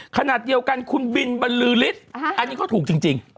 ขนาดเดียวกันคุณบินบรรลือริสต์อันนี้ก็ถูกจริง